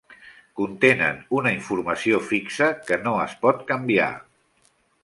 Contenen una informació fixa, que no es pot canviar.